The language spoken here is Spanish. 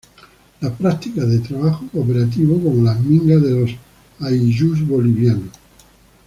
las prácticas de trabajo cooperativo como las mingas de los ayllús bolivianos